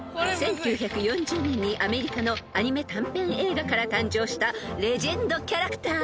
［１９４０年にアメリカのアニメ短編映画から誕生したレジェンドキャラクター］